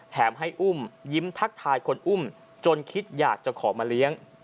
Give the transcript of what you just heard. ให้อุ้มยิ้มทักทายคนอุ้มจนคิดอยากจะขอมาเลี้ยง